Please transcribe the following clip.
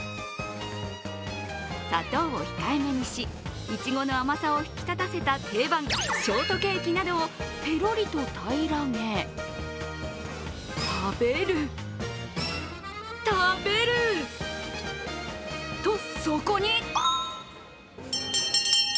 砂糖を控えめにしいちごの甘さを引き立たせた定番ショートケーキなどをぺろりと平らげ食べる、食べる！とそこに。